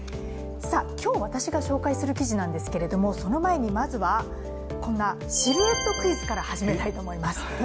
今日、私が紹介する記事なんですけどその前にこんなシルエットクイズから始めたいと思います。